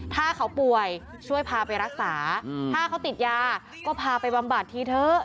ถ้าเขาป่วยช่วยพาไปรักษาถ้าเขาติดยาก็พาไปบำบัดทีเถอะ